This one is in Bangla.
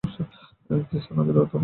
তিস্তা নদীর তাদের মধ্যে একটি।